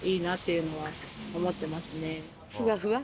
ふわふわ。